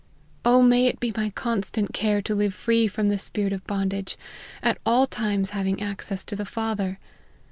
may it be my constant care to live free from the spirit of bon dage, ut all times having access to the Father.